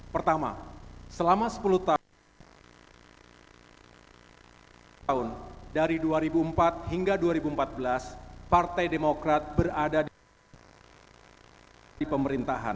pertama selama sepuluh tahun dari dua ribu empat hingga dua ribu empat belas partai demokrat berada di pemerintahan